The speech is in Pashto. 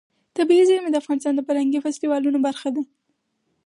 طبیعي زیرمې د افغانستان د فرهنګي فستیوالونو برخه ده.